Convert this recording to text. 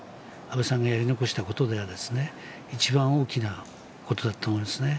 安倍さんがやり残したことでは一番大きなことだと思いますね。